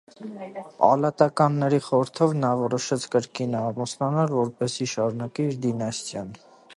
Պալատականների խորհրդով նա որոշեց կրկին ամուսնանալ, որպեսզի շարունակի իր դինաստիան։